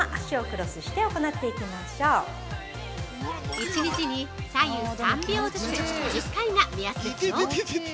◆１日に左右３秒ずつ、１０回が目安ですよ。